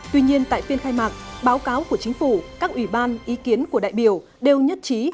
tuy nhiên tại phiên khai mạc báo cáo của chính phủ các ủy ban ý kiến của đại biểu đều nhất trí